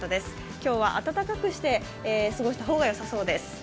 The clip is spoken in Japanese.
今日は暖かくして過ごした方がよさそうです。